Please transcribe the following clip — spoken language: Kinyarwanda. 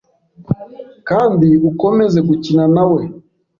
kandi ukomeze gukina na we.